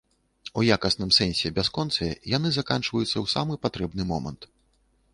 У якасным сэнсе бясконцыя, яны заканчваюцца ў самы патрэбны момант.